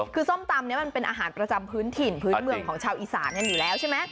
คือส้มตำนี้มันเป็นอาหารประจำพื้นถิ่นพื้นเมืองของชาวอีสานกันอยู่แล้วใช่ไหม